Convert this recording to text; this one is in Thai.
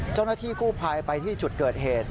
เจ้าหน้าที่กู้ภัยไปที่จุดเกิดเหตุ